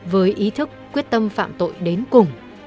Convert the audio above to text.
với ý thức quyết tâm phạm tội đến cùng